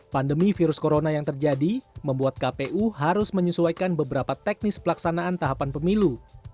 pandemi virus corona yang terjadi membuat kpu harus menyesuaikan beberapa teknis pelaksanaan tahapan pemilu